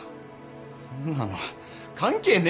そんなの関係ねえだろ！